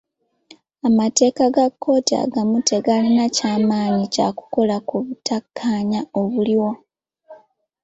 Amateeka ga kkooti agamu tegalina kya maanyi kya kukola ku butakkaanya obuliwo.